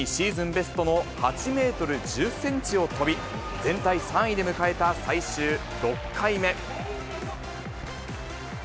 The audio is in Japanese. ベストの８メートル１０センチを跳び、全体３位で迎えた最終６回目。